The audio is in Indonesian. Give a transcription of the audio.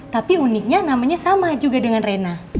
tapi uniknya namanya sama juga dengan rena